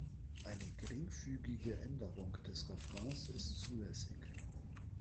Eine geringfügige Änderung des Refrains ist zulässig.